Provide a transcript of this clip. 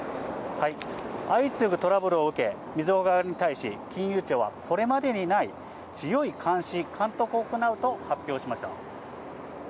相次ぐトラブルを受け、みずほ側に対し、金融庁は、これまでにない強い監視、監督を行うと発表しました。